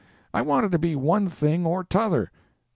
I wanted to be one thing or t'other.